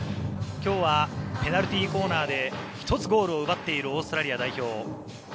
今日はペナルティーコーナーで１つゴールを奪っているオーストラリア代表。